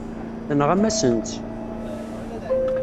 Tenɣam-asen-tt.